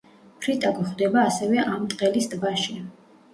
ფრიტა გვხვდება ასევე ამტყელის ტბაში.